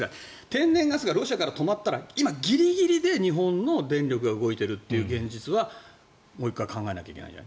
天然ガスがロシアから止まったら今、ギリギリで日本の電力が動いているっていう現実はもう１回考えなきゃいけない。